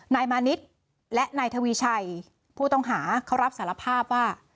นายมานิดและนายทวีชัยผู้ต้องหาเขารับสารภาพว่า